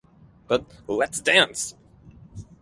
But "Let's dance!"